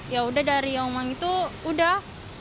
ya udah dari oman itu udah